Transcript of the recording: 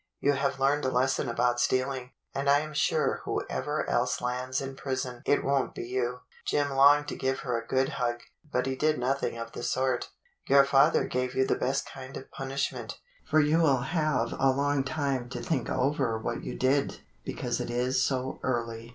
You have learned a lesson about stealing, and I am sure who ever else lands in prison it won't be you." 126 THE BLUE AUNT Jim longed to give her a good hug, but he did noth ing of the sort. "Your father gave you the best kind of punish ment, for you will have a long time to think over what you did, because it is so early.